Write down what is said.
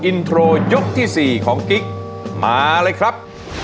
อินโทรยกที่๔ของกิ๊กมาเลยครับ